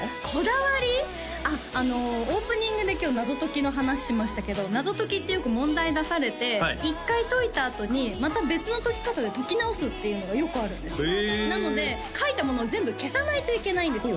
あっあのオープニングで今日謎解きの話しましたけど謎解きってよく問題出されて１回解いたあとにまた別の解き方で解き直すっていうのがよくあるんですよなので書いたものを全部消さないといけないんですよ